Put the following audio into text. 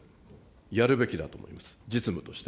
やるべきだと思います、実務として。